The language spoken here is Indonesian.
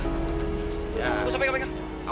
enggak usah pegang mereka